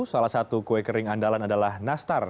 salah satu kue kering andalan adalah nastar